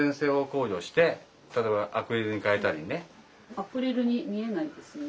アクリルに見えないですね。